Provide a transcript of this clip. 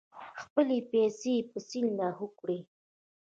خپلې پیسې په سیند لاهو کړې.